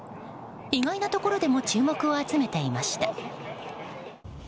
意外なところでも注目を集めていました。